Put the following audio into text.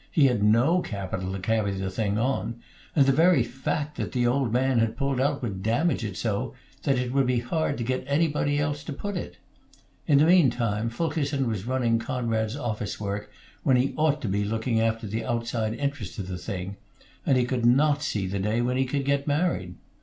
He had no capital to carry the thing on, and the very fact that the old man had pulled out would damage it so that it would be hard to get anybody else to put it. In the mean time Fulkerson was running Conrad's office work, when he ought to be looking after the outside interests of the thing; and he could not see the day when he could get married.